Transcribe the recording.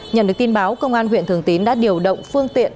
nhận được tin báo công an huyện thường tín đã điều động phương tiện